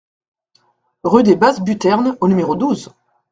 Rue des Basses Buternes au numéro douze